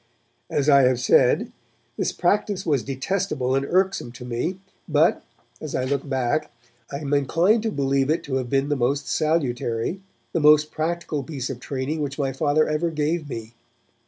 As I have said, this practice was detestable and irksome to me, but, as I look back, I am inclined to believe it to have been the most salutary, the most practical piece of training which my Father ever gave me.